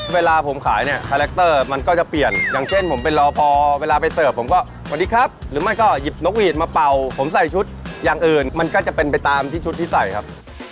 เวลาผมขายเนี่ยคาแรคเตอร์มันก็จะเปลี่ยนอย่างเช่นผมเป็นรอพอเวลาไปเสิร์ฟผมก็สวัสดีครับหรือไม่ก็หยิบนกหวีดมาเป่าผมใส่ชุดอย่างอื่นมันก็จะเป็นไปตามที่ชุดที่ใส่ครับ